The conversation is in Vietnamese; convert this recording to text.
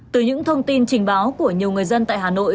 từ những thông tin trình báo của nhiều người dân tại hà nội